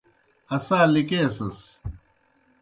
اسا لِکیسَس۔